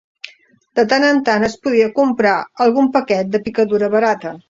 De tant en tant es podia comprar algun paquet de picadura barata